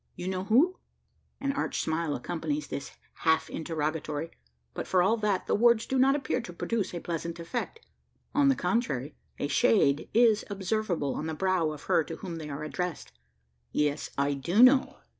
You know who?" An arch smile accompanies this half interrogatory; but, for all that, the words do not appear to produce a pleasant effect. On the contrary, a shade is observable on the brow of her to whom they are addressed. "Yes, I do know.